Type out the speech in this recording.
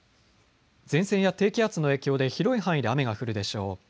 前線や低気圧の影響で広い範囲で雨が降るでしょう。